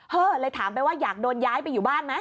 เลยถามไปว่าอยากโดนย้ายไปอยู่บ้านไหม